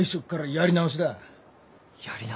やり直し。